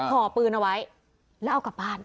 ห่อปืนเอาไว้แล้วเอากลับบ้าน